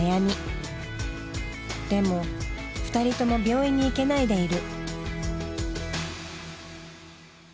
でも２人とも病院に行けないでいる。